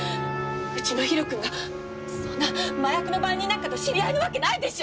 うちのひろ君がそんな麻薬の売人なんかと知り合いな訳ないでしょ！